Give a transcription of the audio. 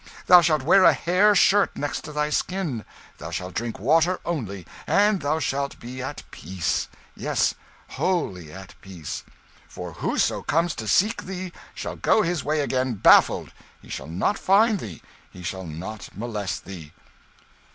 Thou shalt wear a hair shirt next thy skin; thou shalt drink water only; and thou shalt be at peace; yes, wholly at peace; for whoso comes to seek thee shall go his way again, baffled; he shall not find thee, he shall not molest thee."